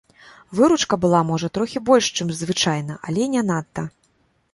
Выручка была можа трохі больш, чым звычайна, але не надта.